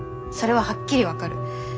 それははっきり分かる。